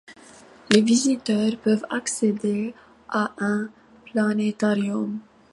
Les visiteurs peuvent accéder à un planétarium.